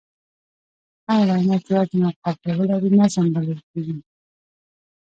هره وينا چي وزن او قافیه ولري؛ نظم بلل کېږي.